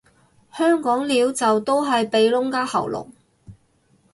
香港撩就都係鼻窿加喉嚨